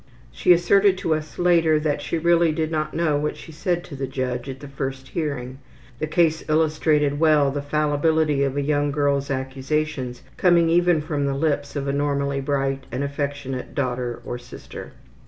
She asserted to us later that she really did not know what she said to the judge at the first hearing. The case illustrated well the fallibility of a young girl's accusations coming even from the lips of a normally bright and affectionate daughter or sister.